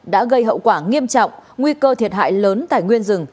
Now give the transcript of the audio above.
đã gây hậu quả nghiêm trọng nguy cơ thiệt hại lớn tài nguyên rừng